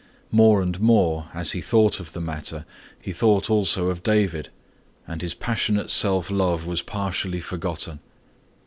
More and more as he thought of the matter, he thought also of David and his passionate self love was partially forgotten.